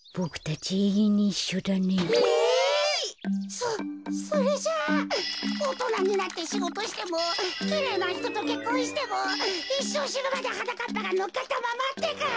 そそれじゃあおとなになってしごとしてもきれいなひととけっこんしてもいっしょうしぬまではなかっぱがのっかったままってか？